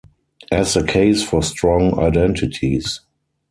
As the case for strong identities.